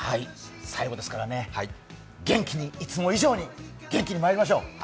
最後ですからね、いつも以上に元気にまいりましょう。